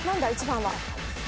１番は。